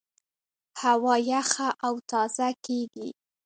هوا یخه او تازه کېږي.